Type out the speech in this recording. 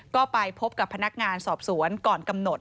ก็ไปพบกับพนักงานสอบสวนก่อนกำหนด